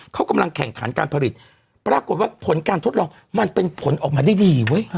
เขากำลังแข่งขันการผลิตปรากฏว่าผลการทดลองมันเป็นผลออกมาได้ดีเว้ย